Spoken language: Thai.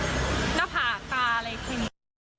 ตัวเล็กกว่าก็ผิวค้ำเห็นแค่ช่วงหน้าผากตาอะไรแบบนี้